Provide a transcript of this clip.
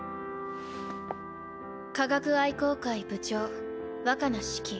科学愛好会部長若菜四季。